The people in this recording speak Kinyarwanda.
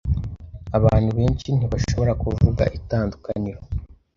Abantu benshi ntibashobora kuvuga itandukaniro